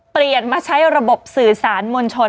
เปลี่ยนมาใช้ระบบสื่อสารมวลชน